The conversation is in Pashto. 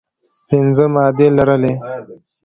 پنځه مادې لرلې.